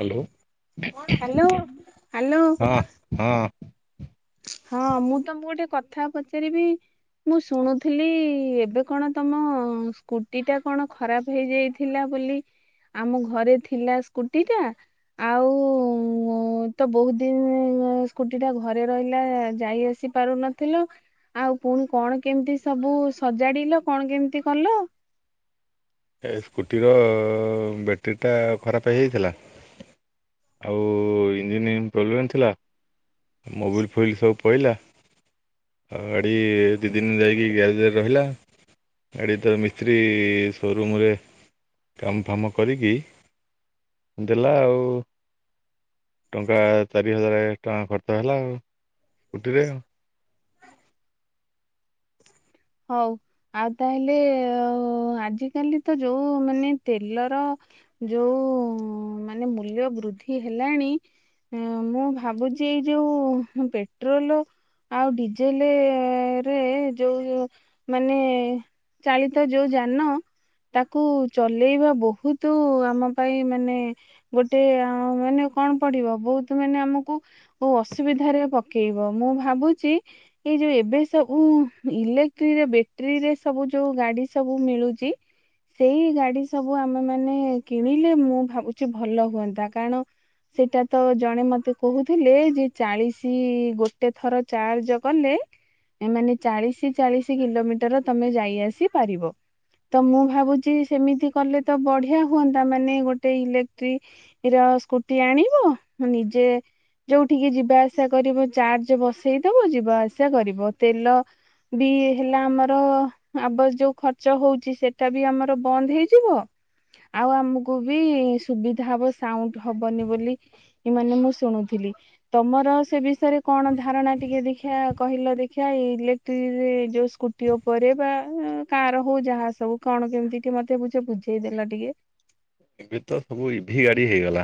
Hello. Hello hello. ହଁ ହଁ। ହଁ ମୁଁ ତମକୁ ଗୋଟେ କଥା ପଚାରିବି। ମୁଁ ଶୁଣୁଥିଲି ଏବେ କଣ ତମ ସ୍କୁଟି ଟା କଣ ଖରାପ ହେଇଯାଇ। ଥିଲା ବୋଲି ଆମ ଘରେ ଥିଲା ସ୍କୁଟି ଟା। ଆଉ ତ ବହୁତ ଦିନ ସ୍କୁଟି ଟା ଘରେ ରହିଲା ଯାଇ ଆସି ପାରୁନଥିଲ। ଆଉ ପୁଣି କଣ କେମିତି ସବୁ ସଜାଡିଲ କଣ କେମିତି କଲୁ? ଏ ସ୍କୁଟିର ବ୍ୟାଟେରୀଟା ଖରାପ ହେଇଯାଇଥିଲା। ଆଉ ଇଞ୍ଜିିନ ପ୍ରୋବ୍ଲେମ୍ ଥିଲା। ମୋବିଲ ଫୁବିଲ୍ ସବୁ ପଡ଼ିଲା। ହଉ ଗାଡ଼ି ଦୁଇ ଦିନ ଯାଇକି ଗ୍ୟାଜରେ ରହିଲା। ଗଡ଼ି ତ ମିସ୍ତ୍ରୀ ସୋରୁମ୍ରରେ କାମ ଫାମ କରିକି ଦେଲା ଆଉ। ଟଙ୍କା ଚାରି ହଜାର ଟଙ୍କା ଖର୍ଚ୍ଚ ହେଲା ଆଉ ସ୍କୁଟିରେ ଆଉ ହଉ ଆଉ ତାହେଲେ ଆଜିକାଲି ତ ଯୋଉ ମାନେ ତେଲର ଯୋଉ ମାନେ ମୂଲ୍ୟ ବୃଦ୍ଧି ହେଲାଣି ମୁଁ ଭାବୁଛି ଏଇ ଯୋଉ ପେଟ୍ରୋଲ ଆଉ ଡିଜେଲ ରେ ଯୋଉ ମାନେ ଚାଳିତ ଯୋଉ ଯାନ ତାକୁ ଚଲେଇବା ବହୁତ ଆମ ପାଇଁ ମାନେ ଗୋଟେ ମାନେ କଣ ପଡିବ ବହୁତ ମାନେ ଆମକୁ ଓ ଅସୁବିଧାରେ ପକେଇବ ମୁଁ ଭାବୁଛି ଏଇ ଯୋଉ ଏବେ ସବୁ ଇଲେ ବ୍ୟାଟେରୀରେ ସବୁ ଯୋଉ ଗାଡି ସବୁ ମିଳୁଛି। ସେଇ ଗାଡି ସବୁ ଆମେ ମାନ କିଣିଲେ ମୁଁ ଭାବୁଛି ଭଲ ହୁଅନ୍ତା କାରଣ ସେଇଟା ତ ଜଣେ ମତେ କହୁଥିଲେ ଯେ ଚାଳିଶ ଗୋଟେ ଥର ଚାର୍ଜ କଲେ ମାନେ ଚାଳିଶ ଚାଳିଶ କିଲୋମିଟର ତମେ ଯାଇ ଆସି ପାରିବ। ତ ମୁଁ ଭାବୁଛି ସେମିତି କଲେ ତ ବଢିଆ ହୁଅନ୍ତା ମାନେ ଗୋଟେ ଇଲେକ୍ଟ୍ରିକ ର ସ୍କୁଟି ଆଣିବ ନିଜେ ଯୋଉଠିକି ଯିବା ଆସିବା କରିବ ଚାର୍ଜ ବସେଇ ଦବୁ ଯିବା ଆସିବା କରିବ ତେଲ ବି ହେଲା ଆମର ଆବ ଯୋଉ ଖର୍ଚ୍ଚ ହଉଛି ସେଟା ବି ଆମର ବନ୍ଦ ହେଇଯିବ। ଆଉ ଆମକୁ ବି ସୁବିଧା ହବ ସାଉଣ୍ଡ ହବନି ବୋଲି। ଏମାନେ ମୁଁ ଶୁଣୁଥିଲି ତମର ସେ ବିଷୟରେ କଣ ଧାରଣା ଟିକେ ଦେଖିିବା କହିଲ ଦେଖିବାଆଇ ଯୋଉ ସ୍କୁଟି ଉପରେ ବା କାର ହଉ ଯାହା ସବୁ କଣ କେମିତି କିେ ମତେ ବୁଝ ବୁଝ ସେଇ ଦେଲା ଟିକେ ଏବେ ତ ସବୁ ଇଭି ଗାଡି ହେଇଗଲା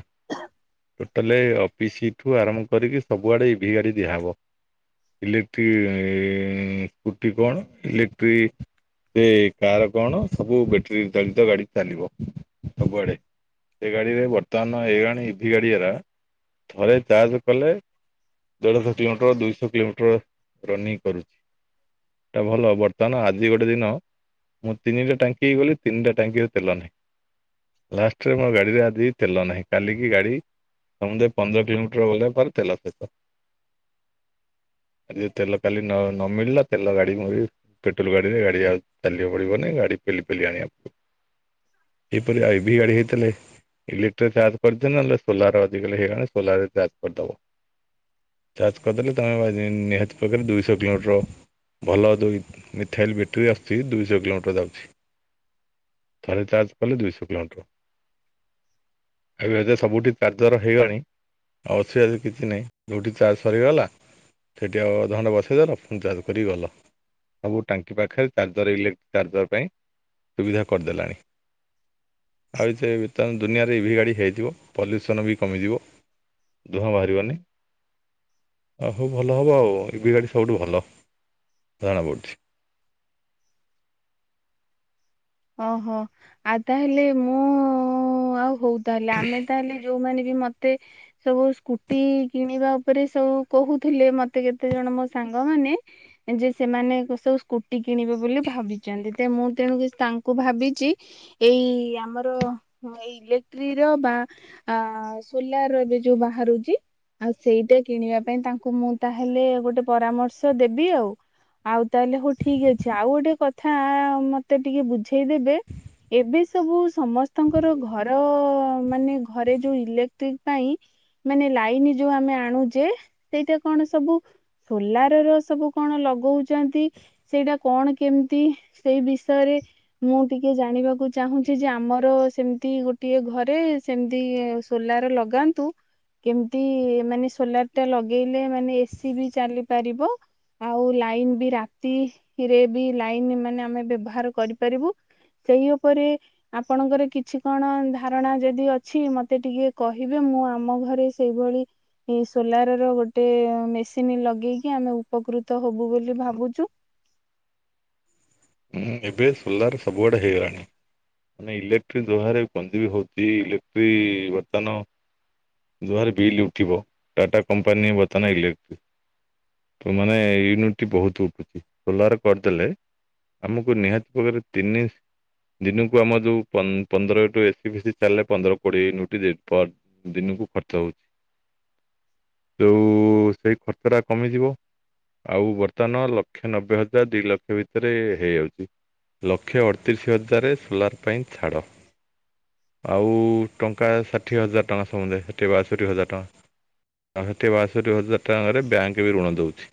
ଲେ ଅଫିସଇଠୁ ଆରମ୍ଭ କରିକି ସବୁଆଡେ ଇଭି ଗାଡି ଦିଆହେବ। ଇକ୍ଟ୍ରି କଟି କଣ ଇଲେକ୍ଟ୍ରି ସେ କାର କଣ ସବୁ ବ୍ୟାଟେରୀ ଚାଳିତ ଗାଡି ଚାଲିବ ସବୁଆଡେ ସେ ଗାଡି ରେ ବର୍ତ୍ତମାନ ଏଇଗାଣି ଇଭି ଗାଡି ଏରା ଥରେ ଚାର୍ଜ କଲେ ଦେଢ଼ଶହ କିଲୋମିଟର ଦୁଇଶହ କିଲୋମିଟର ରନିଂ କରୁଛି। ଟା ଭଲ ବର୍ତ୍ତମାନ ଆଜି ଗୋଟେ ଦିନ ମୁଁ ତିନିଟା ଟଙ୍କି ହେଇ ଗଲି ତିନିଟା ଟଙ୍କିରେ ତଲ ନାହିଁ ଲାଷ୍ଟରେ ମୋ ଗାଡିରେ ଆଜି ତେଲ ନାହିଁ କାଲି କିି ଗାଡି ତେ ପନ୍ଦର କିିଲୋମ ମିଟର ବଲା ଫ ତେଥିଲା ସେ [unintelligible] ଆ ଯ ତେଲ କାଲି ନ ନ ମିଳିଲା ତେଲ ଗାଡି ମୁ ପେଟ୍ରୋଲ ଗାଡିରେ ଗାଡି ଚାଲିବା ପଡିବ ନାି ଗାଡି ପେଲି ପେଲି ଆଣିବା ପଡିବ ସେପରି ଆଇ ବି ଗଡ ହେଇଥିଲେ। ଇଲେକ୍ଟ୍ରି ଚାର୍ଜ କରିଦେ ନହେଲେ ସୋଲାର ଅଧିକା ହେଇଗଲାଣି ସୋଲାର ଚାର୍ଜ କରିଦବ ଚାର୍ଜ କରିଦେଲେ ତୁମେ ନିହାତି ପକରେ ଦୁଇଶହ କିଲୋମିଟରବ ଭଲ ଦୁଇ ମିଥାଇଲ ବ୍ୟାଟେୀ ଆସୁଛି ଦୁଇଶହ କିଲୋମିଟର ଯାଉଛି ତାରେ ତାଜ ପିଲ ଦୁଇଶ କିଲୋମିଟର ଆଉ ଏବେ ସବୁଠି କାର୍ଯ୍ୟର ହେଇଗଣି ଅସୁବିଧା କିଛି ନାହିଁ ଯେଉଁଠି ଚାର୍ଜ ସରିଗଲା ସେଇଠି ଆଉ ଧଣ୍ଡା ବସେଇଦଲ ପୁ ଚାଜ କର ଗଲ ସବୁ ଟାଙ୍କି ପାଖରେ ଚାର୍ଜର ଇଲେକ୍ଟ୍ରିକ୍ ଚାର୍ଜର୍ ପାଇଁ ସୁବିଧା କରିଦେଲାଣି। ଆଉ ସେ ତେୁ ଦୁନିଆରେ ଇଭି ଗାଡ଼ି ହୋଇଇଯଥିବ ପଲ୍ୟୁସନ୍ ବି କମିଯିବ ଦୁହଁ ବାହାରିବନି ଆ ହୋଉ ଭଲ ହବ ଆଉ ଇବି ଗାଡ଼ି ସବୁଠୁ ଭଲ ଜଣାପଡ଼ୁଛି। ଓହୋ ଆଉ ତାହେଲେ ମୁଁ ଉ ଆଉ ହୋଉ ତାହେଲେ ଆମେ ତାହେଲେ ଯୋଉମାନେ ବି ମତେ ସବୁ ସ୍କୁଟି କିଣିବା ଉପରେ ସବୁ କୋହୁଥୁଲେ ମତେ କେତେଜଣ ମୋ ସାଙ୍ଗମାନେ ଯେ ସେମାନେ ସବୁ ସ୍କୁଟି କିଣିବେ ବୋଲି ଭାବିଚନ୍ତି ତେ ମୁଁ ତେଣୁକସ୍ ତାନ୍ କୁ ଭାବିଚି ଏଇ ଆମର ଏଇ ଇଲେକ୍ଟ୍ରିର ବା ଆ ସୋଲାର ଏବେ ଯୋଉ ବାହାରୁଚି ଆଉ ସେଇଟା କିଣିବା ପାଇଁ ତାଙ୍କୁ ମୁଁ ତାହେଲେ ଗୋଟେ ପରାମର୍ଶ ଦେବି ଆଉ। ଆଉ ତାହେଲେ ହୋଉ ଠିକ ଅଛି ଆଉ ଗୋଟେ କଥା ମତେ ଟିକେ ବୁଝେଇଦେବେ ଏବେ ସବୁ ସମସ୍ତଙ୍କର ଘର ମାନେ ଘରେ ଯୋଉ ଇଲେକ୍ଟ୍ରିକ ପାଇଁ ମାନେ ଲାଇନ ଯୋଉ ଆମେ ଆଣୁଚେ ସେଇଟା କଣ ସବୁ ସୋଲାରର ସବୁ କଣ ଲଗୋଉଚନ୍ତି ସେଇଟା କଣ କେମତି ସେଇ ବିଷୟରେ ମୁଁ ଟିକେ ଜାଣିବାକୁ ଚାହୁଁଚି ଯେ ଆମର ସେମତି ଗୋଟିଏ ଘରେ ସେମତି ଏ ସୋଲାର ଲଗାନ୍ତୁ କେମତି ମାନେ ସୋଲାରଟା ଲଗେଇଲେ ମାନେ ଏ ସିି ବି ଚାଲି ପାରିବ ଆଉ ଲାଇନ ବି ରାତିରେ ବି ଲାଇନ ମାନେ ଆମେ ବ୍ୟବହାର କରିପାରିବୁ ସେଇ ଓପରେ ଆପଣଙ୍କର କିଛି କଣ ଧାରଣା ଯଦି ଅଛି ମତେ ଟିକେ କହିବେ ମୁଁ ଆମ ଘରେ ସ୍ ସେଇଭଳି ଏଇ ସୋଲାରର ଗୋଟେ ମେସିନି ଲଗେଇକି ଆମେ ଉପକୃତ ହୋବୁ ବୋଲି ଭାବୁଚୂ। ହୁଁ ଏବେ ସୋଲାର ସବୁଆଡେ ହେଇଗଲାଣି। ମାନେ ଇଲେକ୍ଟ୍ରିକ ଦୋହାରେ ପନ୍ଦି ବି ହୋଉଚି ଇଲେକ୍ଟ୍ରିକ ବର୍ତ୍ତମାନ ଦୋହାର ବିଲ୍ ଉଠିବ ଟାଟା କମ୍ପାନୀ ବର୍ତ୍ତମାନ ଇଲେକ୍ଟ୍ରି ତ ମାନେ ୟୁନିଟି ବୋହୁତ ଉଠୁଚି ସୋଲାର କରିଦେଲେ ଆମକୁ ନିହାତି ପ୍ରକାରରେ ତିନି ଦିନକୁ ଆମର ଯୋଉ ପନ୍-ପନ୍ଦର ଟୁ ଏସି ବିସିି ଚାଲେ ପନ୍ଦର କୋଡ଼ିଏ ନୋଟିରେ ଟନ୍ ଦିନକୁ ଖର୍ଚ୍ଚ ହୋଉଚି। ଯୋଉ ସେଇ ଖର୍ଚ୍ଚଟା କମିଯିବ। ଆଉ ବର୍ତ୍ତମାନ ଲକ୍ଷେ ନବେ ହଜାର ଦି ଲକ୍ଷ ଭିତରେ ହେଇଯାଉଚି। ଲକ୍ଷେ ଅଠତିରିଶ ହଜାରେ ସୋଲାର ପାଇଁ ଛାଡ଼। ଆଉ ଟଙ୍କା ଷାଠିଏ ହଜାର ଟଙ୍କା ସମଧାୟେ ଖ ଷାଠିଏ ବାଷଠି ହଜାର ଟଙ୍କା ଆଉ ଷାଠିଏ ବାଷଠି ହଜାର ଟଙ୍କାରେ ବ୍ୟାଙ୍କ ବି ଋଣ ଦୋଉଛି?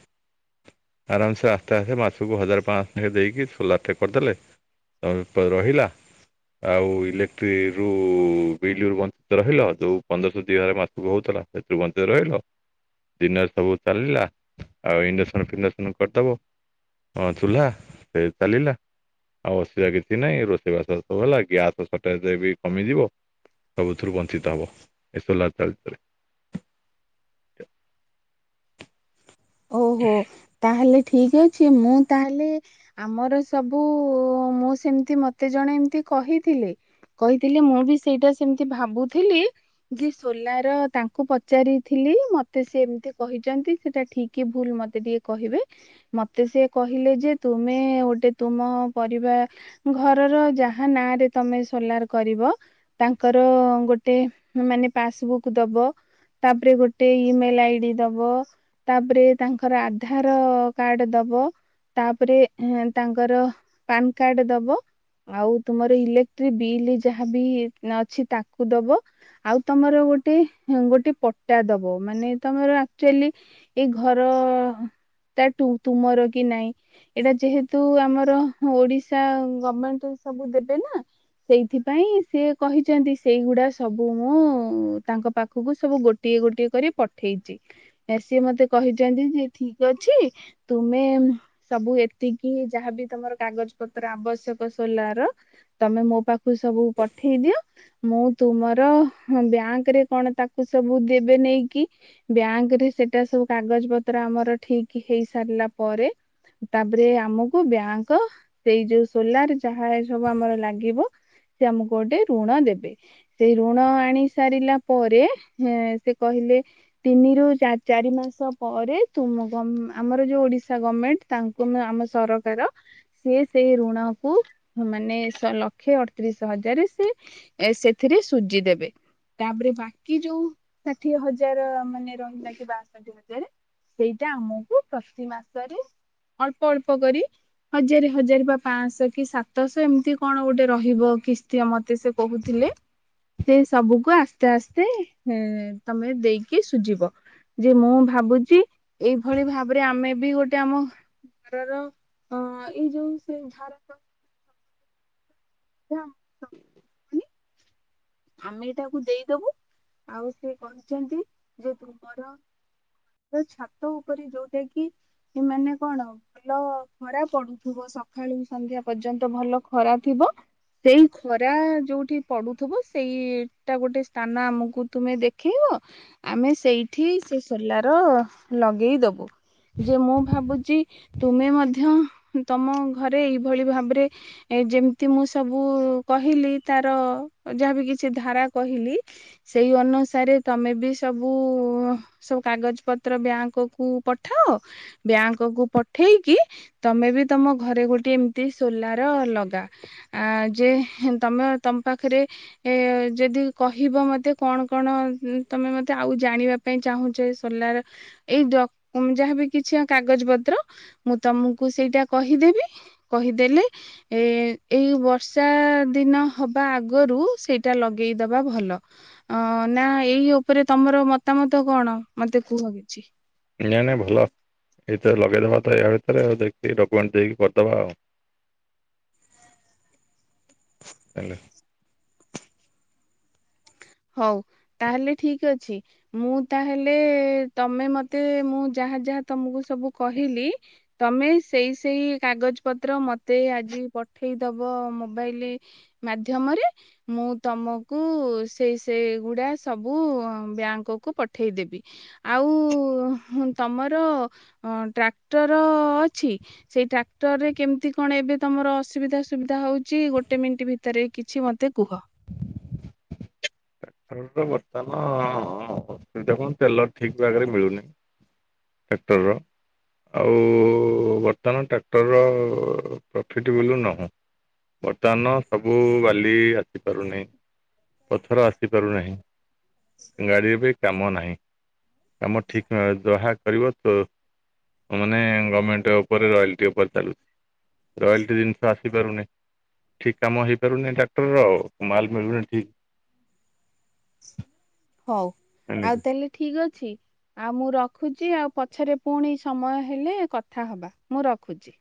ଆରାମସେ ଆସ୍ତେ ଆସ୍ତେ ମାସକୁ ହଜାର ପାଂଶ ଲେଖା ଦେଇକି ସୋଲାରଟେ କରଦେଲେ ତମେ ଯେତଳେ ରହିଲା ଆଉ ଇଲେକ୍ଟ୍ରି ରୁ ବିଲ ବଞ୍ଚିତ ରହିଲ ଯୋଉ ପନ୍ଦରଶ ଦି ହାଜାର ମାସକୁ ହୋଉଥୁଲା ସେଥିରୁ ବଞ୍ଚେଇ ରଖିଲ ଦିନରେ ସବୁ ଚାଲିଲା ଆଉ ଇଣ୍ଡକ୍ସନ ଫିଣ୍ଡକ୍ସନ କରିଦବ ହଁ ଚୁଲହା ଏଇ ଚାଲିଲା ଆଉ ଅସୁବିଧା କିଛି ନାହିଁ ରୋଷେଇବାସ ସବୁ ହେଲା ଗ୍ୟାସ ସଟେଜଟା ବି କମିଯିବ। ସବୁଥୁରୁ ବଞ୍ଚିତ ହବ ଏ ସୋଲାର ଚାଲଥିଲେ। ଓହୋ ତାହେଲେ ଠିକ ଅଛି ମୁଁ ତାହେଲେ ଆମର ସବୁ ମୁଁ ସେମତି ମତେ ଜଣେ ଏମତି କହିଥିଲେ। କହିଥିଲି ମୁଁ ବି ସେଇଟା ସେମତି ଭାବୁଥିଲି ଯିଏ ସୋଲାର ତାଙ୍କୁ ପଚାରିଥିଲି ମତେ ସିଏ ଏମତି କହିଚନ୍ତି ସେଟା ଠିକ୍ କି ଭୁଲ ମତେ ଟିକେ କହିବେ। ମତେ ସେ କହିଲେ ଯେ ତୁମେ ଗୋଟେ ତୁମ ପରିବା ଘରର ଯାହା ନାଁରେ ତମେ ସୋଲାର କରିବ ତାଙ୍କର ଗୋଟେ ମାନେ ପାସବୁକ୍ ଦବ। ତାପରେ ଗୋଟେ ଇମେଲ ଆଇ ଡି ଦବ। ତାପରେ ତାଙ୍କର ଆଧାର କାର୍ଡ ଦବ। ତାପରେ ତାଙ୍କର ପାନ କାର୍ଡ ଦବ। ଆଉ ତୁମର ଇଲେକ୍ଟ୍ରିକ ବିଲ୍ ଯାହାବି ଅଛି ତାକୁ ଦବ। ଆଉ ତମର ଗୋଟେ ଗୋଟେ ପଟା ଦବ ମାନେ ତମର ଆକ୍ଚୁଆଲି ଏଇ ଘର ଟୁ ତୁମର କି ନାଇଁ? ଏଇଟା ଯେହେତୁ ଆମର ଓଡିଶା ଗଭମେଣ୍ଟ ସବୁ ଦେବେ ନା? ସେଇଥିପାଇଁ ସେ କହିଛନ୍ତି ସେଇଗୁଡା ସବୁ ମୁଁ ତାଙ୍କ ପାଖକୁ ସବୁ ଗୋ ଗୋଟିଏ ଗୋଟିଏ କରି ପଠେଇଛି। ସିଏ ମତେ କହିଛନ୍ତି ଯେ ଠିକ ଅଛି ତୁମେ ସବୁ ଏତିକି ଯାହାବି ତମର କାଗଜ ପତ୍ର ଆବଶ୍ୟକ ସୋଲାର ତମେ ମୋ ପାଖକୁ ସବୁ ପଠେଇ ଦିଅ। ମୁଁ ତୁମର ବ୍ୟାଙ୍କ ରେ କଣ ତାକୁ ସବୁ ଦେବେ ନେଇକି। ବ୍ୟାଙ୍କ ରେ ସେଟା ସବୁ କାଗଜ ପତ୍ର ଆମର ଠିକ ହେଇ ସାରିଲା ପରେ ତାପରେ ଆମକୁ ବ୍ୟାଙ୍କ ସେଇ ଯୋଉ ସୋଲାର ଯାହା ଏ ସବୁ ଆମର ଲାଗିବ ସେ ଆମକୁ ଗୋଟେ ଋଣ ଦେବେ। ସେ ଋଣ ଆଣି ସାରିଲା ପରେ ସେ କହିଲେ ତିନି ରୁ ଚା ଚାରି ମାସ ଷ ପରେ ତୁ ଆମର ଯୋଉ ଓଡିଶା ଗଭର୍ଣ୍ଣମେଣ୍ଟ ତାଙ୍କୁ ଆମ ସରକାର ସି ସେଇ ଋଣକୁ ମାନେ ଲକ୍ଷେ ଅଠତିରିଶ ହଜାର ସେ ଏ ସେଥିରେ ସୁଜି ଦେବେ। ତାପରେ ବାକି ଯୋଉ ଷାଠିଏ ହଜାର ମାନେ ରହିଲା କି ବାଷଠି ହଜାର ସେଇଟା ଆମକୁ ପ୍ରତି ମାସରେ ଅଳ୍ପ ଅଳ୍ପ କରି ହଜାର ହଜାର ବା ପାଞ୍ଚଶହ କି ସାତଶହ ଏମିତି କଣ ଗୋଟେ ରହିବ କିସ୍ତିୟ ମତେ ସେ କହୁଥିଲେ ସେ ସବୁକୁ ଆସ୍ତେ ଆସ୍ତେ ତମେ ଦେଇକି ସୁଝିବ। ଯେ ମୁଁ ଭାବୁଛି ଏଇଭଳି ଭାବରେ ଆମେ ବି ଗୋଟେ ଆମ [unintelligible] [inaudible] ଆମେ ଏ ତାକୁ ଦେଇଦବୁ ଆଉ ସେଏ କହିଛନ୍ତି ଯେ ତୁମର ଛାତ ଉପରେ ଯୋଉଟା କି ଏମାନେ କଣ ଭଲ ଖରା ପଡୁଥିବ ସକାଳୁ ସନ୍ଧ୍ୟା ପର୍ଯ୍ୟନ୍ତ ଭଲ ଖରା ଥିବ। ସେଇ ଖରା ଯୋଉଠି ପଡୁଥିବ ସେଇଟା ଗୋଟେ ସ୍ଥାନ ଆମକୁ ତୁମେ ଦେଖେଇବ। ଆମେ ସେଇଠି ସେ ସୋଲାର ଲଗେଇଦବୁ। ଯେ ମୁଁ ଭାବୁଛି ତୁମେ ମଧ୍ୟ ତମ ଘରେ ଏଇଭଳି ଭାବରେ ଏ ଯେମିତି ମୁଁ ସବୁ କହିଲି ତାର ଯାହାବି କିଛି ଧାରା କହିଲି ସେଇ ଅନୁସାରେ ତମେ ବି ସବୁ ସବୁ କାଗଜ ପତ୍ର ବ୍ୟାଙ୍କ କୁ ପଠଅ ବ୍ୟାଙ୍କ କୁ ପଠେଇକି ତମେ ବି ତମ ଘରେ ଗୋଟେ ଏମତି ସୋଲାର ଲଗା। ଆ ଯେ ତମେ ତମ ପାଖରେ ଏ ଯଦି କହିବ ମତେ କଣ କଣ ତମେ ମତେ ଆଉ ଜାଣିବା ପାଇଁ ଚାହୁଁଛ ସୋଲାର ଏଇଡ ଯାହାବି କିଛି କାଗଜ ପତ୍ର ମୁଁ ତମକୁ ସେଇଟା କହିଦେବି। କହିଦେଲେ ଏ ଏଇ ବର୍ଷା ଦିନ ହବା ଆଗ ଆଗରୁ ସେଇଟା ଲଗେଇଦବା ଭଲ। ଅ ନା ଏଇ ଉପରେ ତମର ମତାମତ କଣ ମତେ କୁହ କିଛି? ନାଇଁ ନାଇଁ ଭଲ ଏଇତ ଲଗେଇଦବା ତ ୟା ଭିତରେଉ ଦେକି ଡକ୍ୟୁମେଣ୍ଟ ଦେଇକି କରିଦବା ଆଉ। ହ ଚ [unintelligible] ହଉ ତାହେଲେ ଠିକ ଅଛି। ମୁଁ ତାହେଲେ ତମେ ମତେ ମୁଁ ଯାହା ଯାହା ତମକୁ ସବୁ କହିଲି ତମେ ସେଇ ସେଇ କାଗଜ ପତ୍ର ମତେ ଆଜି ପଠେଇଦବ ମୋବାଇଲରେ ମାଧ୍ୟମରେ ମୁଁ ତମକୁ ସେଇ ସେଗୁଡ଼ା ସବୁ ବ୍ୟାଙ୍କକୁ ପଠାଇଦେବି ଆଉ ତମର ଟ୍ରାକ୍ଟର ଅଛି। ସେଇ ଟ୍ରାକ୍ଟର ରେ କେମିତି କଣ ଏବେ ତମର ଅସୁବିଧା ସୁବିଧା ହଉଛି ଗୋଟେ ମିନିଟ୍ ଭିତରେ ଭିତରେ କିଛି ମତେ କୁହ। ବର୍ତ୍ତମାନ ଅସୁବିଧା କଣ ତେଲ ଠିକ ଭାଗରେ ମିଳୁନି। ଟ୍ୟାକ୍ଟରର ଆଉ ବର୍ତ୍ତମାନ ଟ୍ରାକ୍ଟରର ପ୍ରଫିଟ ବୋଲିୁଲ ନହୁଁ। ବର୍ତ୍ତମାନ ସବୁ ବାଲି ଆସିପାରୁନି ପଥର ଆସି ପାରୁନାହିଁ ଗାଡ଼ିରେ ବି କାମ ନାହିଁ। କାମ ଠିକ ଯାହା କରିବ ତ ାନେ ଗଭର୍ଣ୍ଣମେଣ୍ଟ ଉପରେ ରୟାଲଟି ଉପରେ ଚାଲୁଛି। ରୟାଲଟି ଜିନିଷ ଆସିପାରୁନି। ଠିକ କାମ ହେଇପାରୁନି ଡାକ୍ତର ଆଉ ମାଲ ମିଳୁନି ଠିକ ହଉ ଠିକ୍। ଆଉ ତାହେଲେ ଠିକ ଅଛି। ଆଉ ମୁଁ ରଖୁଛି ଆଉ ପଛରେ ପୁଣି ସମୟ ହେଲେ କଥା ହବା ମୁଁ ରଖୁଛି।